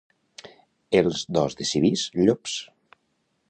Els d'Os de Civís, llops.